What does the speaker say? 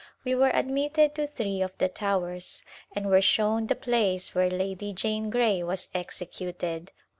We were admitted to three of the towers, and were shown the place where Lady Jane Grey was executed.